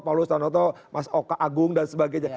paulus tanoto mas oka agung dan sebagainya